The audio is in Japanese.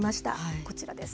こちらです。